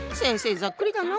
ざっくりだなぁ。